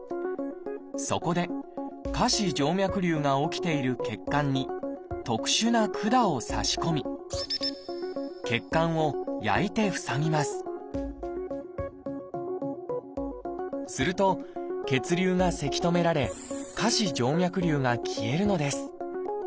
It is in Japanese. そこで下肢静脈りゅうが起きている血管に特殊な管をさし込み血管を焼いて塞ぎますすると血流がせき止められ下肢静脈りゅうが消えるのです。